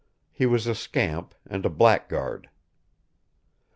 He was a scamp, and a blackguard.